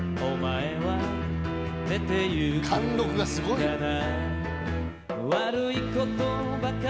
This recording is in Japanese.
貫禄がすごい。きた！